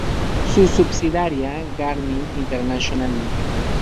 Su subsidiaria Garmin International, Inc.